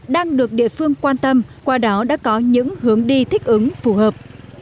đang được địa phương quan tâm qua đó đã có những hướng đi thích ứng phù hợp